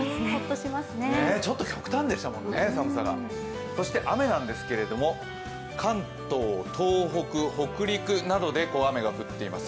ちょっと極端でしたもんね、寒さがそして雨なんですけれども、関東、東北、北陸などで雨が降っています。